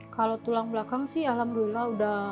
kalau tulang belakang sih alhamdulillah udah